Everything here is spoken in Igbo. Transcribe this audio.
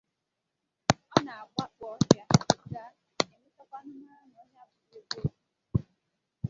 ọ na-agbakpu ọhịa ga-emechakwanụ mara na ọhịa abụghị ebe obibi.